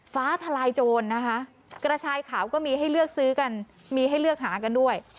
ฟ้าทลายโจรนะคะกระชายขาวก็มีให้เลือกซื้อกันมีให้เลือกหากันด้วย